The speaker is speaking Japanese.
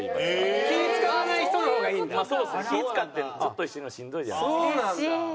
気ぃ使ってずっと一緒にいるのしんどいじゃないですか。